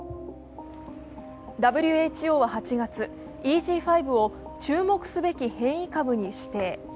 ＷＨＯは８月、ＥＧ．５を注目すべき変異株に指定。